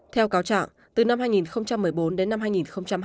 theo cáo trạng từ năm hai nghìn một mươi bốn đến năm hai nghìn hai mươi